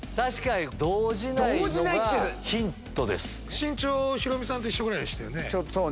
身長ヒロミさんと一緒ぐらいでしたよね。